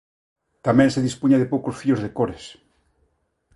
Tamén se dispuña de poucos fíos de cores.